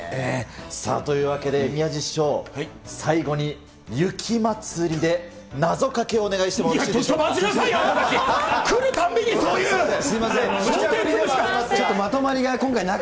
さあ、というわけで、宮治師匠、最後に雪まつりで謎かけをお願いしてもよろしいでしょうか。